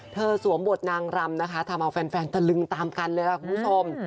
สวมบทนางรำนะคะทำเอาแฟนตะลึงตามกันเลยค่ะคุณผู้ชม